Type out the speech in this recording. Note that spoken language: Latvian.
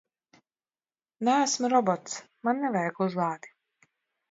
Neesmu robots, man nevajag uzlādi!